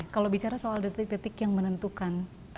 kalau bicara soal detik detik yang menentukan